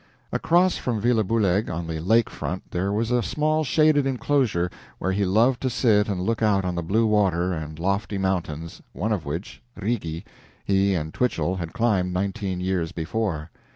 Across from Villa Buhlegg on the lake front there was a small shaded inclosure where he loved to sit and look out on the blue water and lofty mountains, one of which, Rigi, he and Twichell had climbed nineteen years before.